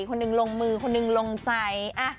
คนหนึ่งลงมือคนหนึ่งลงใจ